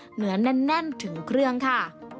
เหนือแน่นถึงเครื่องค่ะ